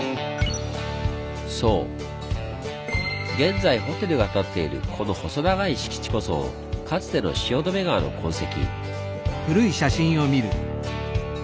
そう現在ホテルが立っているこの細長い敷地こそかつての汐留川の痕跡。